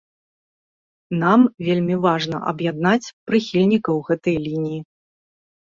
Нам вельмі важна аб'яднаць прыхільнікаў гэтай лініі.